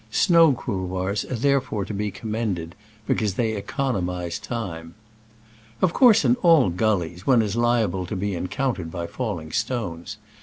Snow couloirs are therefore to be commended because they economize time. Of course, in all gullies one is liable to be encountered by falliii^^ stones.